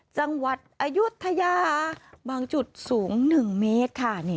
จังหวัดอายุทยาบางจุดสูง๑เมตรค่ะ